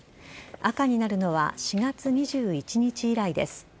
赤になるのは４月２１日以来です。